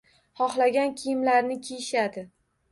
Xohlagan kiyimlarini kiyishadi.